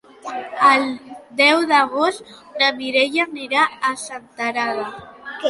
El deu d'agost na Mireia anirà a Senterada.